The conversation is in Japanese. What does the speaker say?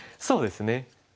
そうですね。